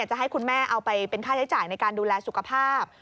จะให้คุณแม่เอาไปเป็นค่าใช้จ่ายในการดูแลสุขภาพ